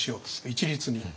一律に。